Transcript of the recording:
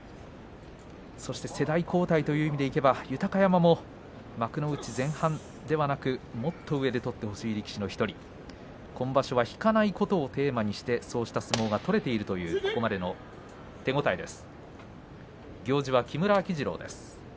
そして世代交代という意味では豊山も幕内前半もっと上で取ってほしい力士の１人今場所は引かないことをテーマにしてそうした相撲が取れているという手応えです、豊山。